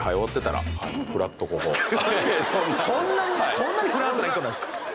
そんなにフランクな人なんすか？